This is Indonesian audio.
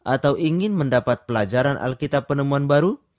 atau ingin mendapat pelajaran alkitab penemuan baru